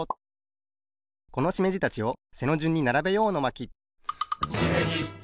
このしめじたちを背のじゅんにならべよう！の巻